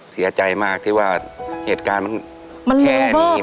เสียใจมากที่ว่าเหตุการณ์มันแค่นี้มันเร็วมากครับ